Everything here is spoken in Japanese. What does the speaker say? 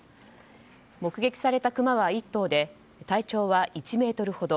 目撃されたクマは１頭で体長は１ｍほど。